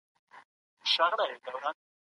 موږ نویو اقتصادي تګلارو ته اړتیا لرو.